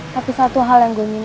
tapi satu hal yang gue minta sama lo